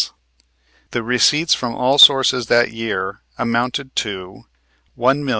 The receipts from all sources that year amounted to $1,801,129.